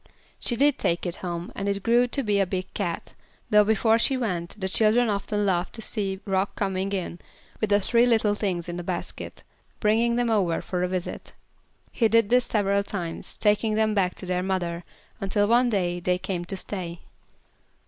She did take it home, and it grew to be a big cat; though before she went, the children often laughed to see Rock coming in with the three little things in a basket, bringing them over for a visit. He did this several times, taking them back to their mother, until one day they came to stay.